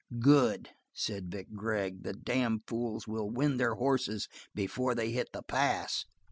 "Good," said Vic Gregg. "The damn fools will wind their horses before they hit the pass."